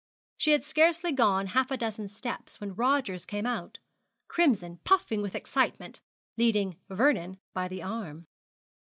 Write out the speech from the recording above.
She had scarcely gone half a dozen steps when Rogers came out, crimson, puffing with excitement, leading Vernon by the arm.